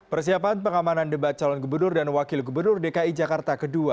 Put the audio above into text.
persiapan pengamanan debat calon gubernur dan wakil gubernur dki jakarta ii